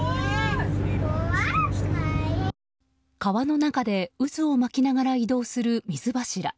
川の中で渦を巻きながら移動する水柱。